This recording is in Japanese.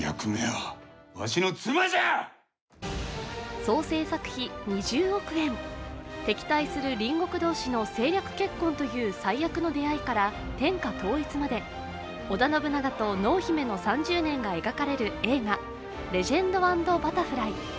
総制作費２０億円敵対する隣国同士の政略結婚という最悪の出会いから天下統一まで、織田信長と濃姫の３０年が描かれる映画「レジェンド＆バタフライ」。